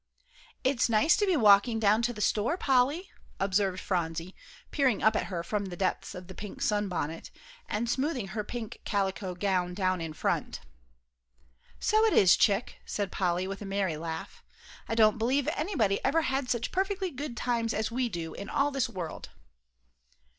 "It's nice to be walking down to the store, Polly," observed Phronsie, peering up at her from the depths of the pink sunbonnet, and smoothing her pink calico gown down in front. "So it is, Chick," said Polly, with a merry laugh. "I don't b'lieve anybody ever had such perfectly good times as we do, in all this world."